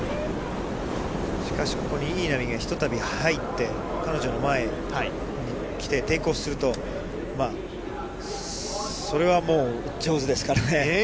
しかしここにいい波がひとたび入って、彼女の前に来て、テイクオフすると、それはもう上手ですからね。